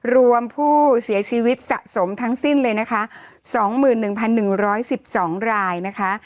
รวมผู้เสียชีวิตสะสมทั้งสิ้นเลยนะคะสองหมื่นหนึ่งพันหนึ่งร้อยสิบสองรายนะคะ